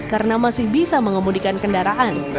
karena masih bisa mengemudikan kendaraan